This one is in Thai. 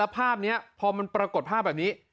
ภาพนี้พอมันปรากฏภาพแบบนี้